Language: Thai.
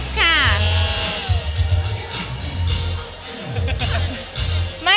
จับให้เดี๋ยว